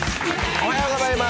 おはようございます。